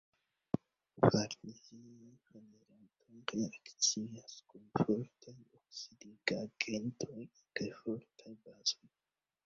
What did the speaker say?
Farnezila valerato reakcias kun fortaj oksidigagentoj kaj fortaj bazoj.